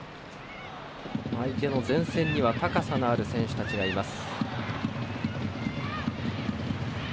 相手の前線には高さのある選手たちがいます。